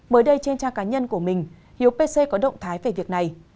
mới đây trên trang cá nhân của mình hiếu pc có động thái về việc này